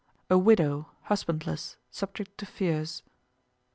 "A WIDOW, HUSBANDLESS, SUBJECT TO FEARS."